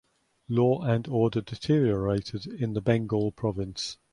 Law and order deteriorated in the Bengal province.